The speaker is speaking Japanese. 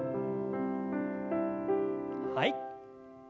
はい。